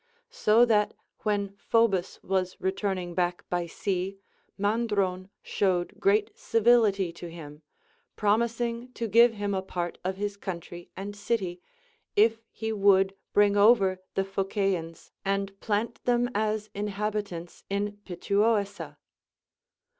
So that Avhen Phobus was returning back by sea, Mandron showed great civility to him, promising to give him a part of his country and city, if he would bring over the Phocaeans and plant them as inhabitants in Pituoessa.